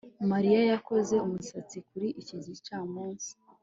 Mariya yakoze umusatsi kuri iki gicamunsi